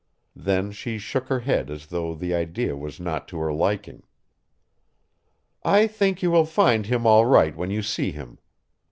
Then she shook her head as though the idea was not to her liking. "I think you will find him all right when you see him.